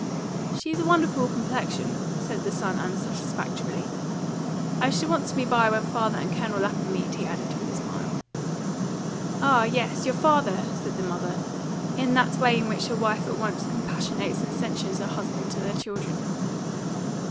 "She's a wonderful complexion," said the son unsatisfactorily. "I shall want to be by when father and Colonel Lapham meet," he added, with a smile. "Ah, yes, your father!" said the mother, in that way in which a wife at once compassionates and censures her husband to their children.